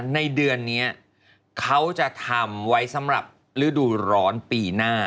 ในเดือนนี้เขาจะทำไว้สำหรับฤดูร้อนปีหน้า